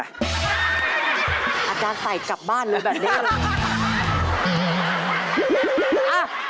อาจารย์ใส่กลับบ้านเลยแบบนี้เลย